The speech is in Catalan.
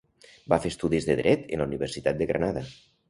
Va fer estudis de dret en la Universitat de Granada.